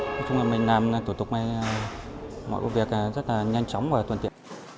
nói chung là mình làm tổ tục này mọi công việc rất là nhanh chóng và tuần tiện